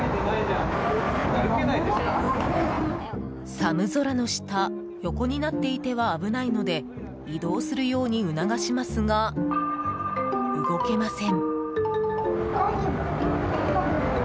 寒空の下横になっていては危ないので移動するように促しますが動けません。